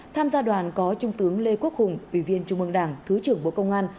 tham gia đoàn có trung tướng lê quốc hùng ủy viên trung mương đảng thứ trưởng bộ công an